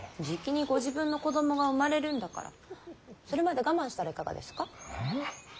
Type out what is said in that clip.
じきにご自分の子供が生まれるんだからそれまで我慢したらいかがですか。